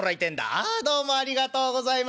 「ああどうもありがとうございます。